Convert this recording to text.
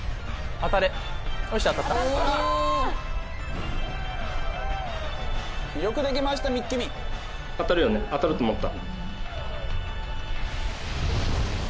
当たるよね当たると思った。